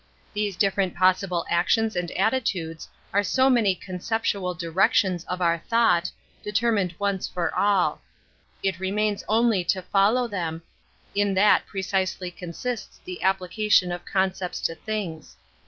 These different possible actions and attitudes are so many concept tual directions of our thought, determined once for all; it remains only to follow them: in that precisely consists the appli cation of concepts to things.